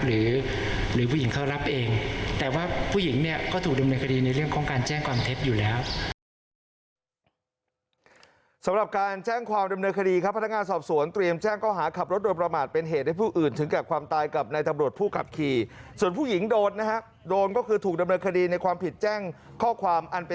หรือผู้หญิงเขารับเองแต่ว่าผู้หญิงเนี่ยก็ถูกดำเนินคดีในเรื่องของการแจ้งความเท็จอยู่แล้ว